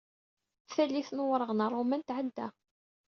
Tallit n Wureɣ n Ṛṛuman tɛedda.